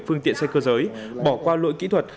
phương tiện xe cơ giới bỏ qua lỗi kỹ thuật